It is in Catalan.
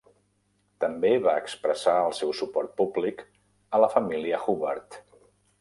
També va expressar el seu suport públic a la família Hubbard.